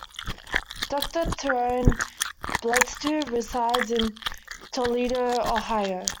Doctor Tyrone Bledsoe resides in Toledo, Ohio.